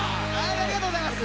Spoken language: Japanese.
ありがとうございます。